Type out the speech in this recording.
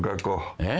えっ？